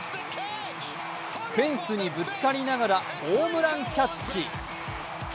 フェンスにぶつかりながらホームランキャッチ。